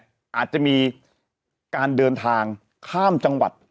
อาจจะมีการเดินทางข้ามจังหวัด